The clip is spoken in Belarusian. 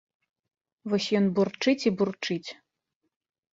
Вось ён бурчыць і бурчыць.